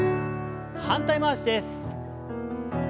反対回しです。